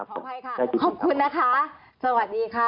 ขออภัยค่ะขอบคุณนะคะสวัสดีค่ะ